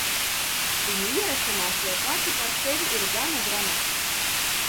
Viņu ierašanās jau pati par sevi ir gana dramatiska.